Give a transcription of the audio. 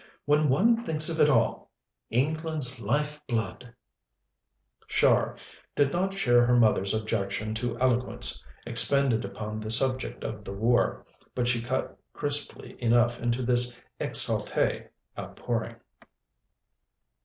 When one thinks of it all England's life blood " Char did not share her mother's objection to eloquence expended upon the subject of the war, but she cut crisply enough into this exaltée outpouring.